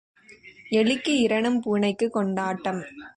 எலிக்கு இரணம் பூனைக்குக் கொண்டாட்டம்.